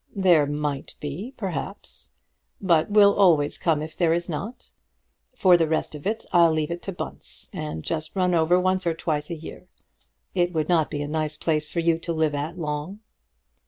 "There might be, perhaps; but we'll always come if there is not. For the rest of it, I'll leave it to Bunce, and just run over once or twice in the year. It would not be a nice place for you to live at long."